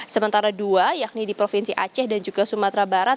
sementara dua yakni di provinsi aceh dan juga sumatera barat